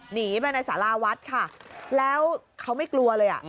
หนีไปในสาราวัดค่ะแล้วเขาไม่กลัวเลยอ่ะ